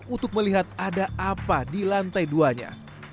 untuk melihat ada apa di lantai duanya